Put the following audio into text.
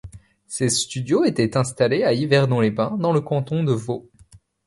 Ses studios étaient installés à Yverdon-les-Bains, dans le canton de Vaud.